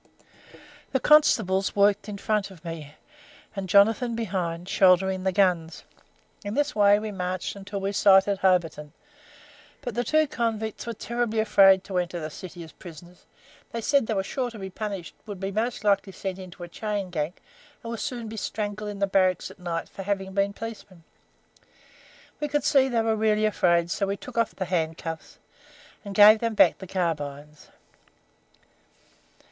"The constables walked in front, me and Jonathan behind, shouldering the guns. In this way we marched until we sighted Hobarton, but the two convicts were terribly afraid to enter the city as prisoners; they said they were sure to be punished, would most likely be sent into a chain gang, and would soon be strangled in the barracks at night for having been policemen. We could see they were really afraid, so we took off the handcuffs and gave them back the carbines.